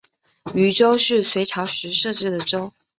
渝州是隋朝时设置的州。